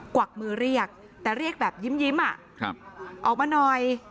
วักมือเรียกแต่เรียกแบบยิ้มออกมาหน่อย